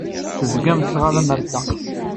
Tezgam tettɣamam ar ṭṭaq.